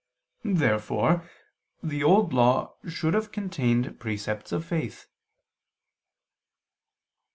Therefore the Old Law should have contained precepts of faith.